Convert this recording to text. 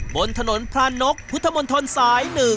บนถนนพระนกพุทธมนตรสาย๑